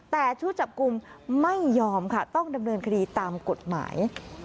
แต่ชุดจับกลุ่มไม่ยอมค่ะต้องดำเนินคดีตามกฎหมาย